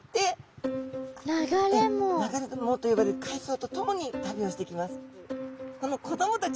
流れ藻と呼ばれる海藻とともに旅をしていきます。